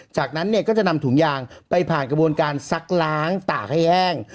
จากนั้นเนี่ยก็จะนำถุงยางไปผ่านกระบวนการซักล้างตากให้แห้ง